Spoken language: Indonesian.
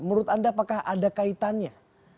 menurut anda apakah ada kaitannya